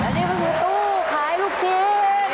แล้วนี่คือตู้ขายลูกชิ้น